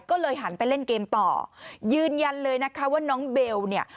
ก็เลยหันไปเล่นเกมต่อยืนยันเลยนะคะว่าน้องเบลเนี่ย